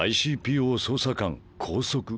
「ＩＣＰＯ捜査官拘束」。